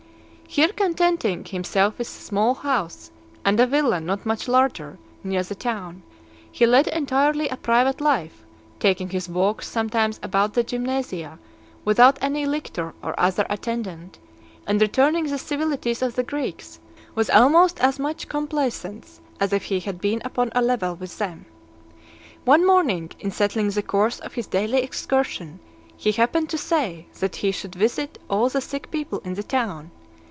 Here contenting himself with a small house, and a villa not much larger, near the town, he led entirely a private life, taking his walks sometimes about the Gymnasia , without any lictor or other attendant, and returning the civilities of the Greeks with almost as much complaisance as if he had been upon a level with them. One morning, in settling the course of his daily excursion, he happened to say, that he should visit all the sick people in the town.